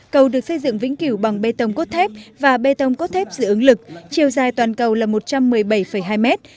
cầu được xây dựng vĩnh kiểu bằng bê tông cốt thép và bê tông cốt thép dự ứng lực chiều dài toàn cầu là một trăm một mươi bảy hai mét